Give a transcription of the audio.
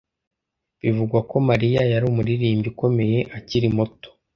Bivugwa ko Mariya yari umuririmbyi ukomeye akiri muto.